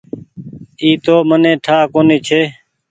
اي تو مني ٺآ ڪونيٚ ڇي ۔